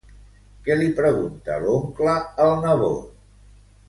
Què li pregunta l'oncle al nebot?